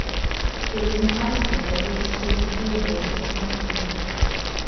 It was in high school that he assumed "Eerie" as his nickname.